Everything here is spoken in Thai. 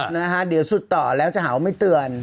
นะฮะเดี๋ยวสุดต่อแล้วจะหาว่าไม่เตือน